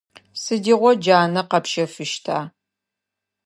Сыдигъо джанэ къэпщэфыщта?